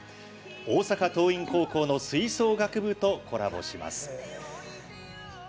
大阪桐蔭高校の吹奏楽部とコラボします